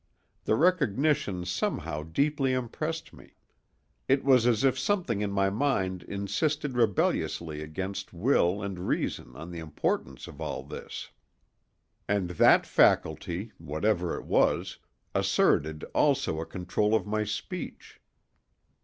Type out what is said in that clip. The recognition somehow deeply impressed me; it was as if something in my mind insisted rebelliously against will and reason on the importance of all this. And that faculty, whatever it was, asserted also a control of my speech.